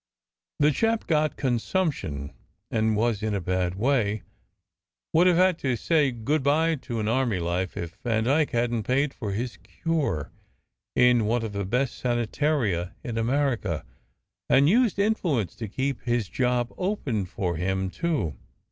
The chap got con sumption, and was in a bad way would have had to say good bye to an army life if Vandyke hadn t paid for his cure in one of the best sanatoria in America, and used in fluence to keep his job open for him, too.